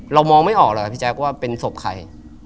มองไม่ออกหรอกครับพี่แจ๊คว่าเป็นศพใคร